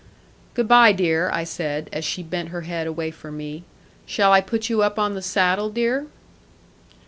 'Good bye dear,' I said, as she bent her head away from me; 'shall I put you up on the saddle, dear?'